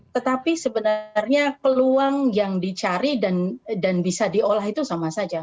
tetapi sebenarnya peluang yang dicari dan bisa diolah itu sama saja